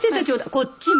こっちも。